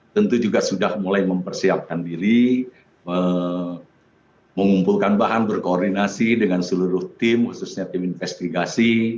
tentu juga sudah mulai mempersiapkan diri mengumpulkan bahan berkoordinasi dengan seluruh tim khususnya tim investigasi